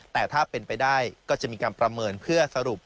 แต่ถ้าเป็นไปได้ก็จะมีการประเมินเพื่อสรุป